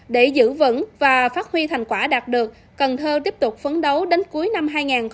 để giữ vững và phát huy thành quả đạt được cần thơ tiếp tục phấn đấu đến cuối năm hai nghìn hai mươi